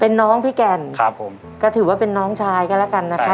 เป็นน้องพี่แก่นครับผมก็ถือว่าเป็นน้องชายกันแล้วกันนะครับ